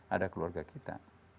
ada keluarga kita